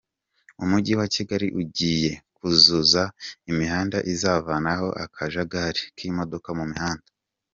Umujyi wa Kigali ugiye kuzuza imihanda izavanaho akajagali k’imodoka mu mihanda